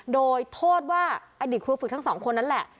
โดยโทษว่าอดีตครูฝึกทั้งสองคนนั้นแหละ